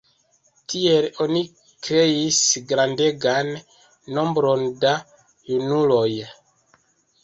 Tiel oni kreis grandegan nombron da junuloj.